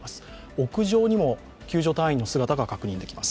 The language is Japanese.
屋上にも救助隊員の姿が確認できます。